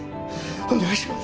お願いします！